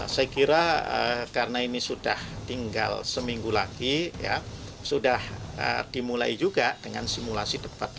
saya kira karena ini sudah tinggal seminggu lagi sudah dimulai juga dengan simulasi debat